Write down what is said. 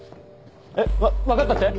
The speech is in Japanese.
えっ分かったって？